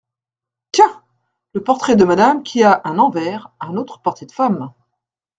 Tiens ! le portrait de Madame qui a un envers, un autre portrait de femme !